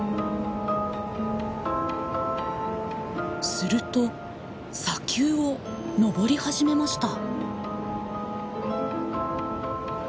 すると砂丘を登り始めました。